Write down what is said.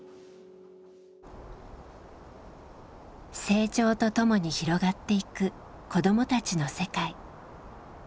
成長とともに広がっていく子どもたちの世界。